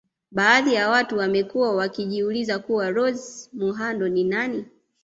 Baadhi ya watu wamekuwa wakijiuliza kuwa Rose muhando ni nani